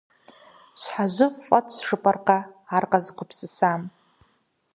ЩхьэжьыфӀ фӀэтщ, жыпӀэркъэ ар къэзыгупсысам!